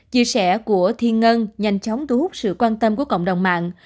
chia sẻ của thiên ngân nhanh chóng thu hút sự quan tâm của cộng đồng mạng